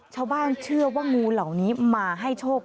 ชาวบ้านเชื่อว่างูเหล่านี้มาให้โชค